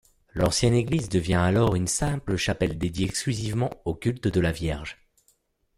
L'ancienne église devient alors une simple chapelle dédiée exclusivement au culte de la vierge.